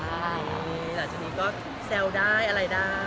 ใช่หลังจากนี้ก็แซวได้อะไรได้